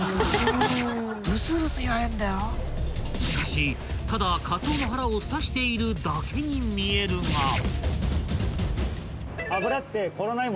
［しかしただカツオの腹を刺しているだけに見えるが］